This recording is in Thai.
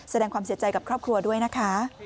แสดงความเสียใจกับครอบครัวด้วยนะคะ